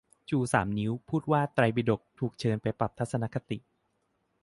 ชูสามนิ้ว พูดว่า "ไตรปิฎก" ถูกเชิญไปปรับทัศนคติ